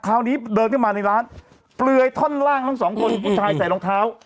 คราวนี้เดินขึ้นมาในร้านเปลือยท่อนล่างทั้งสองคนผู้ชายใส่รองเท้า